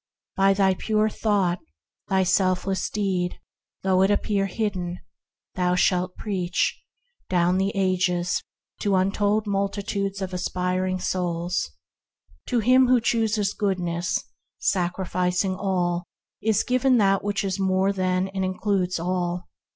By thy pure thought, thy selfless deed, though it appear hidden, thou shalt preach, to untold multitudes of aspiring souls through the ages. To him who chooses Goodness, sacrificing all, is given what is more than and in cludes all.